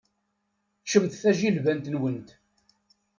Ččemt tajilbant-nwent.